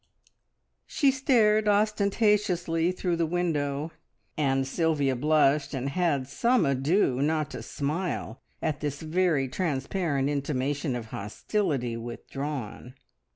She stared ostentatiously through the window, and Sylvia blushed, and had some ado not to smile at this very transparent intimation of hostility withdrawn.